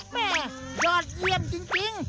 แม่ยอดเยี่ยมจริง